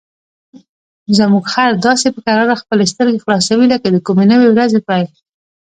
زموږ خر داسې په کراره خپلې سترګې خلاصوي لکه د کومې نوې ورځې پیل.